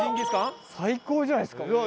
最高じゃないですか。